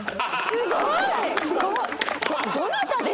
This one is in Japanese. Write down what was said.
すごい。